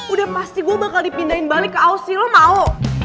udah pasti gue bakal dipindahin balik ke ausi lo mau